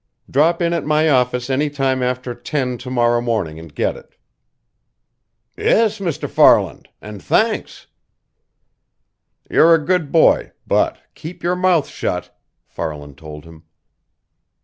"Drop in at my office any time after ten to morrow morning and get it." "Yes, Mr. Farland and thanks!" "You're a good boy, but keep your mouth shut!" Farland told him.